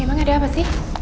emang ada apa sih